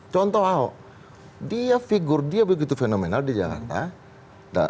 contoh ahok dia figur dia begitu fenomenal di jakarta